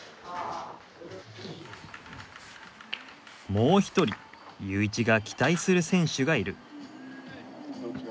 もう一人ユーイチが期待する選手がいる。